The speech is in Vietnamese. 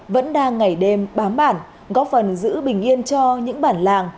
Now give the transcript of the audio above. vẫn đang ngày đêm bám bản góp phần giữ bình yên cho những bản làng